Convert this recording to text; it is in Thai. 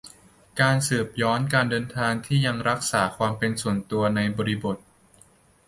การสืบย้อนการเดินทางที่ยังรักษาความเป็นส่วนตัว ในบริบท